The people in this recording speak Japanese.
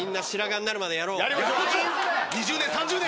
２０年３０年。